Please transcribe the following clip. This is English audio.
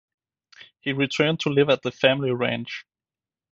He returned to live at the family ranch.